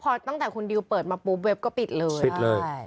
พอตั้งแต่คุณดิวเปิดมาปุ๊บเว็บก็ปิดเลยใช่